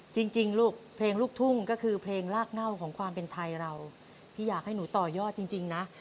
จริงลูกเพลงลูกทุ่งก็คือเพลงลากเง่าของความเป็นไทยเราพี่อยากให้หนูต่อยอดจริงนะ